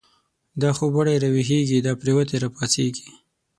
دا خوب وړی راويښږی، دا پريوتی را پا څيږی